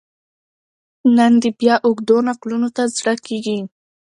نن دي بیا اوږدو نکلونو ته زړه کیږي